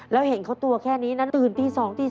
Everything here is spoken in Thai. แล้วเห็นเขาตัวแค่นี้นั้นตื่นตี๒ตี๓